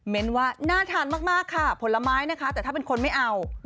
ว่าน่าทานมากค่ะผลไม้นะคะแต่ถ้าเป็นคนไม่เอา